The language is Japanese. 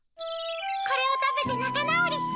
これをたべてなかなおりして。